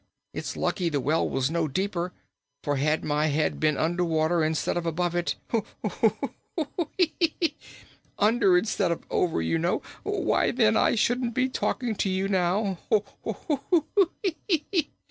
It's lucky the well was no deeper, for had my head been under water, instead of above it hoo, hoo, hoo, keek, eek! under instead of over, you know why, then I wouldn't be talking to you now! Ha, hoo, hee!"